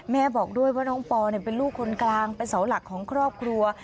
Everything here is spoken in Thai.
แม่บอกด้วยว่าน้องปอเป็นลูกคนกลางเป็นเสาหลักของครอบครัว